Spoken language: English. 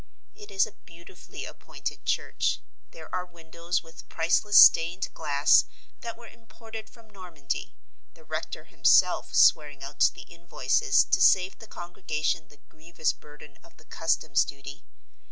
It is a beautifully appointed church. There are windows with priceless stained glass that were imported from Normandy, the rector himself swearing out the invoices to save the congregation the grievous burden of the customs duty.